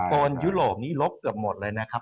โซนยุโรปนี้ลบเกือบหมดเลยนะครับ